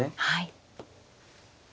はい。